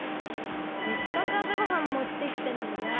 せっかくあさごはんもってきたのにな。